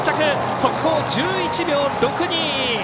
速報、１１秒６２！